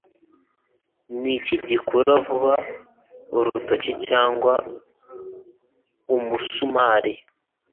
Ni iki gikura vuba, urutoki cyangwa imisumari?